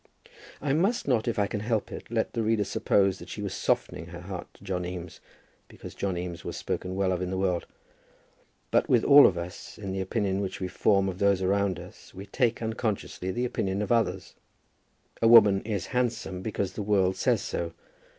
I must not, if I can help it, let the reader suppose that she was softening her heart to John Eames because John Eames was spoken well of in the world. But with all of us, in the opinion which we form of those around us, we take unconsciously the opinion of others. A woman is handsome because the world says so.